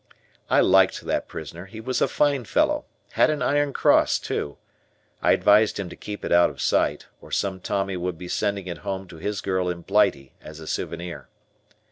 I liked that prisoner, he was a fine fellow, had an Iron Cross, too. I advised him to keep it out of sight, or some Tommy would be sending it home to his girl in Blighty as a souvenir.